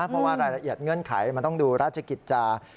เพราะว่ารายละเอียดเงื่อนไขมันต้องดูราชกิจจา